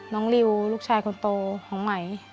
น้องริวลูกชายคนโตของหมาย